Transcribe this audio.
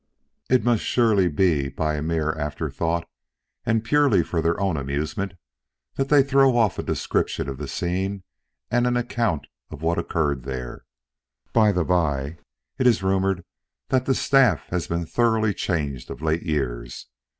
It must surely be by a mere afterthought, and purely for their own amusement, that they throw off a description of the scene and an account of what occurred there. By the bye, it is rumored that the staff has been thoroughly changed of late years.